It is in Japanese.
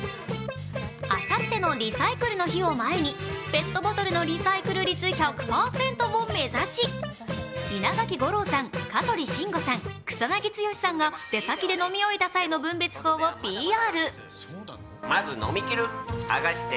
あさってのリサイクルの日を前にペットボトルのリサイクル率１００％を目指し稲垣吾郎さん、香取慎吾さん、草なぎ剛さんが出先で飲み終えた際の分別法をＰＲ。